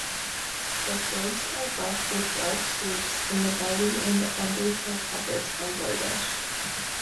The flanks are buff with dark streaks and the belly and undertail-coverts are whitish.